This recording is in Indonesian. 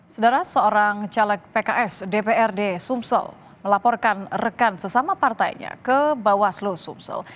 sedara seorang caleg pks dprd sumsel melaporkan rekan sesama partainya ke bawaslu sumsel